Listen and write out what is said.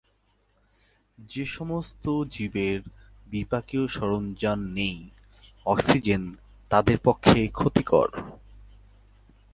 যে সমস্ত জীবের বিপাকীয় সরঞ্জাম নেই, অক্সিজেন তাদের পক্ষে ক্ষতিকর।